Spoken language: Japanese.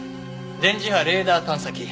電磁波レーダー探査機。